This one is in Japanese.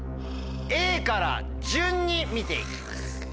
Ａから順に見て行きます。